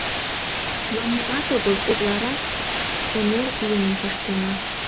Но нимат огыл, утларак энергийым пыштена.